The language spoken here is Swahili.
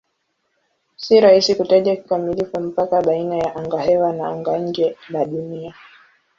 Si rahisi kutaja kikamilifu mpaka baina ya angahewa na anga-nje la Dunia.